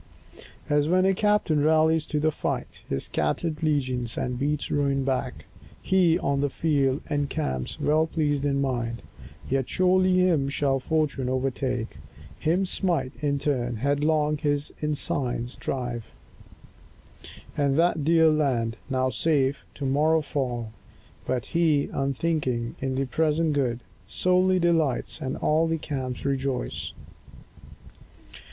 As when a captain rallies to the fight His scattered legions, and beats ruin back, He, on the field, encamps, well pleased in mind. Yet surely him shall fortune overtake, Him smite in turn, headlong his ensigns drive; And that dear land, now safe, to morrow fall. But he, unthinking, in the present good Solely delights, and all the camps rejoice.